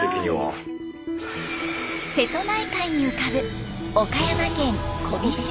瀬戸内海に浮かぶ岡山県小飛島。